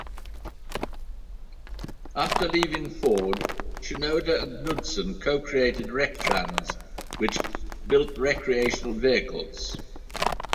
After leaving Ford, Shinoda and Knudsen co-created Rectrans, which built recreational vehicles.